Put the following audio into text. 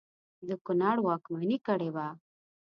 د کنړ واکمني کړې وه.